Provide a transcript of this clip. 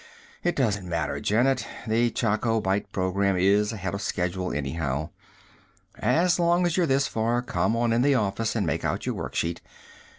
It doesn't matter, Janet; the Choco Bite program is ahead of schedule anyhow. As long as you're this far, come on in the office and make out your worksheet.